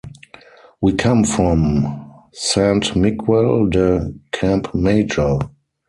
We come from Sant Miquel de Campmajor.